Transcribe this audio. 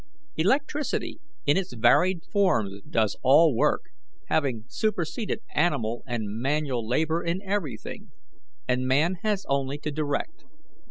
"Electricity in its varied forms does all work, having superseded animal and manual labour in everything, and man has only to direct.